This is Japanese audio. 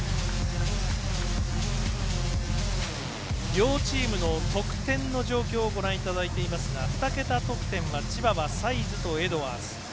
両チームの得点の状況をご覧いただいていますが２桁得点は千葉はサイズとエドワーズ。